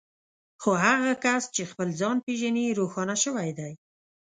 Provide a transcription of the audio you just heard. خو هغه کس چې خپل ځان پېژني روښانه شوی دی.